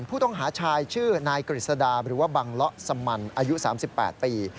ผู้ต้องหาชายชื่อนายกฤษดาหรือว่าบังเลาะสมันอายุ๓๘ปี